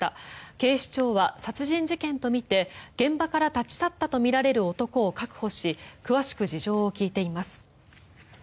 警視庁は殺人事件とみて現場から立ち去ったとみられる男を確保し詳しく事情を聴いています。